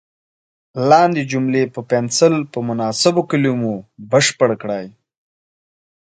لاندې جملې په پنسل په مناسبو کلمو بشپړې کړئ.